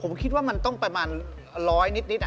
ผมคิดว่ามันต้องประมาณ๑๐๐นิด